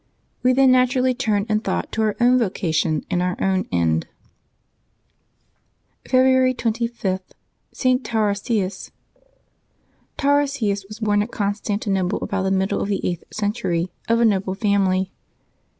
We then naturally turn in thought to our own vocation and our own end. February 25.— ST. TARASIUS. ^^ARASius was born at Constantinople about the middle ^y of the eighth century, of a noble family.